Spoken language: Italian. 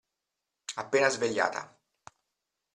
Appena svegliata.